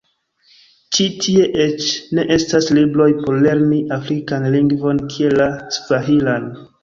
Ĉi tie eĉ ne estas libroj por lerni afrikan lingvon kiel la Svahilan.